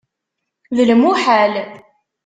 D lmuḥal.